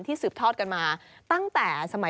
ที่สืบทอดกันมาตั้งแต่